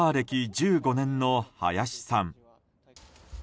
１５年の林さん。